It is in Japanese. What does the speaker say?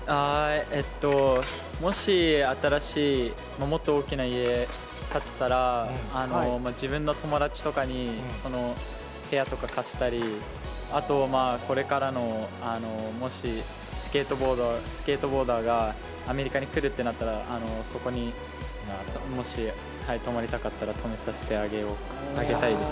もし新しい、もっと大きな家を建てたら、自分の友達とかに部屋とか貸したり、あと、これからのもしスケートボーダーがアメリカに来るってなったら、そこにもし泊まりたかったら泊めさせてあげたいです。